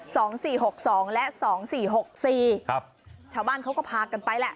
สองสี่หกสองและสองสี่หกสี่ครับชาวบ้านเขาก็พากันไปแหละ